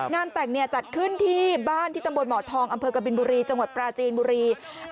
งานแต่งจัดขึ้นที่บ้านที่ตำบลหมอทองอำเภอกบินบุรีจังหวัดปราจีนบุรี